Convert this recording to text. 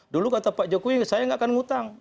dulu kata pak jokowi saya gak akan ngutang